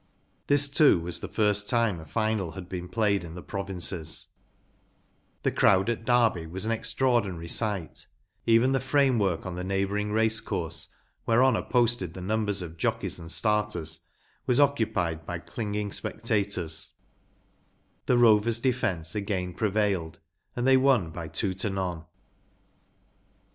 ( his, too, was the first time a final had been played in the provinces, The crowd at Derby was an extraordinary sight; even the framework on the neighbouring racecourse, whereon are posted the numbers of jockeys and starters, was occupied by clinging spec¬ tators, The Rovers' defence again prevailed and they won by two to none.